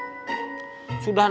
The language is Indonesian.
mungkin sudah tujuh bulan